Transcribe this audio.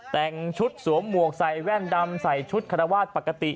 แต่งชุดสวมหมวกใส่แว่นดำใส่ชุดคารวาสปกติ